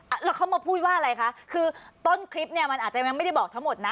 แล้วเขามาพูดว่าอะไรคะคือต้นคลิปเนี่ยมันอาจจะยังไม่ได้บอกทั้งหมดนะ